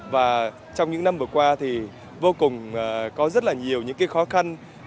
và trong những năm vừa qua thì vô cùng có rất là nhiều những cái khó khăn